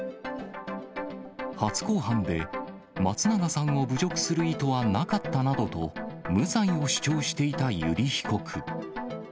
初公判で、松永さんを侮辱する意図はなかったなどと、無罪を主張していた油利被告。